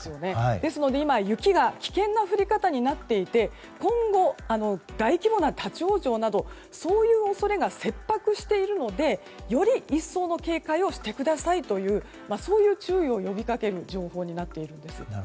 ですので今、雪が危険な降り方になっていて今後、大規模な立ち往生などそういう恐れが切迫しているのでより一層の警戒をしてくださいというそういう注意を呼びかける情報になっているんです。